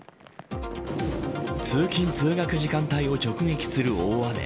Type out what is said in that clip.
通勤通学時間帯を直撃する大雨。